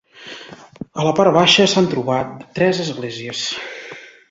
A la part baixa s'han trobat tres esglésies.